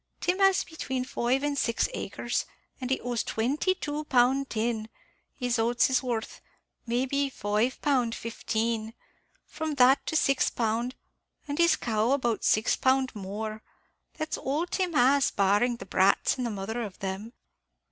Tim has between five and six acres, and he owes twenty two pound tin; his oats is worth, maybe, five pound fifteen, from that to six pound, and his cow about six pound more; that's all Tim has, barring the brats and the mother of them.